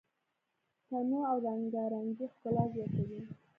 تنوع او رنګارنګي ښکلا زیاتوي.